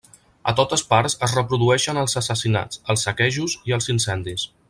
A totes parts es reprodueixen els assassinats, els saquejos i els incendis.